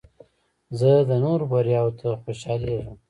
زه د نورو بریاوو ته خوشحالیږم.